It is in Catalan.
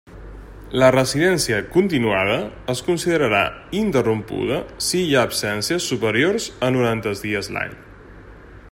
La residència continuada es considerarà interrompuda si hi ha absències superiors a noranta dies l'any.